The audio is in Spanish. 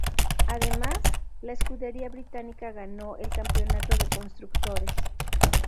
Además, la escudería británica ganó el campeonato de constructores.